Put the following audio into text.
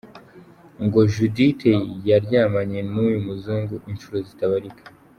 Ngo Judithe yaryamanye n’uyu muzungu inshuro zitabarika.